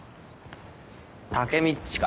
タケミっちか。